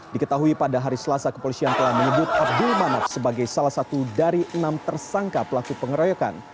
diketahui pada hari selasa kepolisian telah menyebut abdul manaf sebagai salah satu dari enam tersangka pelaku pengeroyokan